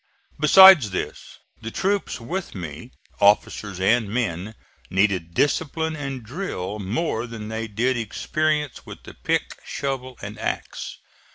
Besides this, the troops with me, officers and men, needed discipline and drill more than they did experience with the pick, shovel and axe.